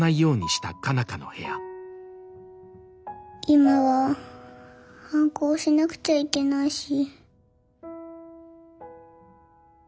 今は反抗しなくちゃいけないし。